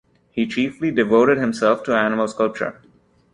He chiefly devoted himself to animal sculpture.